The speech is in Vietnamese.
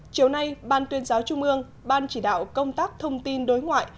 chiều nay ban tuyên giáo trung ương ban chỉ đạo công tác thông tin đối ngoại